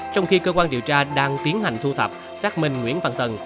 trong khi cơ quan điều tra đang tiến hành thu tập xác minh nguyễn văn tân